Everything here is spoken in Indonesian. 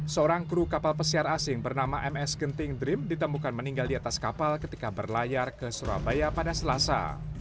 seorang kru kapal pesiar asing bernama ms genting dream ditemukan meninggal di atas kapal ketika berlayar ke surabaya pada selasa